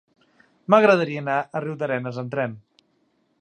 M'agradaria anar a Riudarenes amb tren.